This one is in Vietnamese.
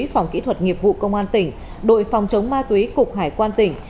phòng kỹ thuật nghiệp vụ công an tỉnh đội phòng chống ma túy cục hải quan tỉnh